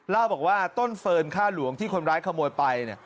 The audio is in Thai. เล่าบอกว่าต้นเฟิร์นค่าหลวงที่คนร้ายขโมยไป